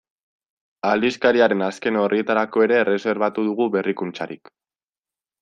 Aldizkariaren azken orrietarako ere erreserbatu dugu berrikuntzarik.